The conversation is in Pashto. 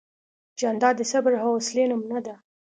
جانداد د صبر او حوصلې نمونه ده.